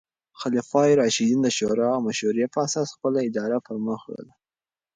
خلفای راشدین د شورا او مشورې په اساس خپله اداره پر مخ وړله.